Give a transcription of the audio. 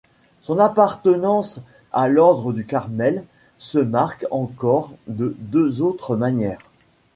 Son appartenance à l'ordre du Carmel se marque encore de deux autres manières.